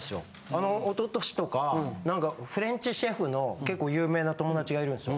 あの一昨年とかなんかフレンチシェフの結構有名な友達がいるんですよ。